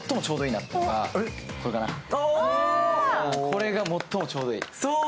これが最もちょうどいい。